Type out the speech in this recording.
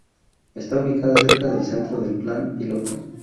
Está ubicada cerca del centro del Plan Piloto.